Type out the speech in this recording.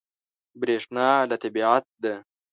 برېښنا له طبیعت ده.